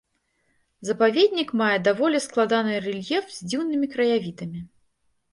Запаведнік мае даволі складаны рэльеф з дзіўнымі краявідамі.